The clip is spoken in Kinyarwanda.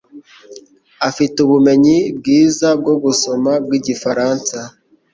Afite ubumenyi bwiza bwo gusoma bwigifaransa.